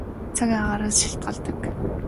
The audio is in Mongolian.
Цаг агаараас шалтгаалдаг.